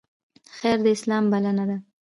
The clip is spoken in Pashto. خیر د اسلام بلنه ده